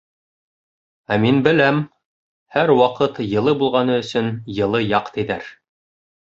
— Ә мин беләм, һәр ваҡыт йылы булғаны өсөн йылы яҡ, тиҙәр.